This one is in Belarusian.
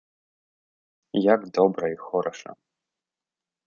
Як добра і хораша!